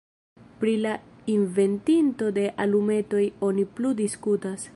Pri la inventinto de alumetoj oni plu diskutas.